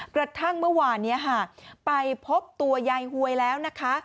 กระทั่งเมื่อวานนี้ค่ะไปพบตัวยายหวยแล้วนะคะ